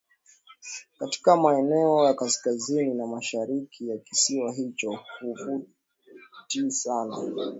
katika maeneo ya kaskazini na mashariki ya kisiwa hicho huvuti sana